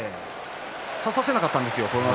差させなかったんですよ。